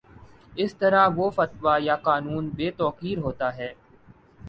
اس طرح وہ فتویٰ یا قانون بے توقیر ہوتا ہے